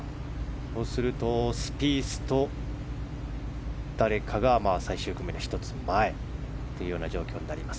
とすると、スピースと誰かが最終組の１つ前という状況になります。